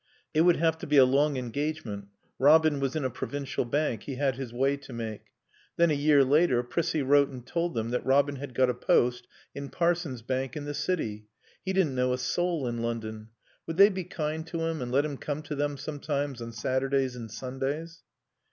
It would have to be a long engagement. Robin was in a provincial bank, he had his way to make. Then, a year later, Prissy wrote and told them that Robin had got a post in Parson's Bank in the City. He didn't know a soul in London. Would they be kind to him and let him come to them sometimes, on Saturdays and Sundays?